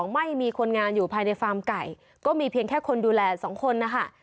ไม่มีคนงานอยู่ภายในฟาร์มไก่ก็มีเพียงแค่คนดูแลสองคนนะคะ